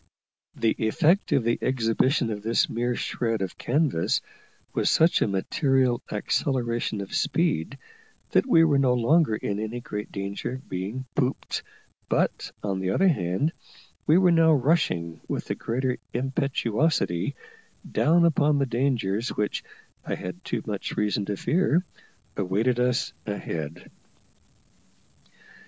The effect of the exhibition of this mere shred of canvas was such a material acceleration of speed that we were no longer in any great danger of being "pooped;" but, on the other hand, we were now rushing with the greater impetuosity down upon the dangers which, I had too much reason to fear, awaited us ahead.